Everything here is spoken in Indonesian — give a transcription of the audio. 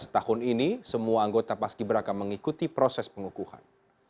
tahun ini semua anggota paski beraka mengikuti proses pengukuhan